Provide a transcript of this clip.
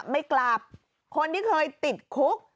ไม่กลับคนที่เคยติดคุก